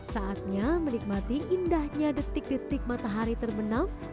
saatnya menikmati indahnya detik detik matahari termenang